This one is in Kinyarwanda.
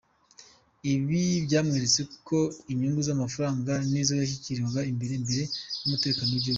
Ibi byanyeretse ko inyungu z’amafaranga nizo yashyiraga imbere mbere y’umutekano w’igihugu.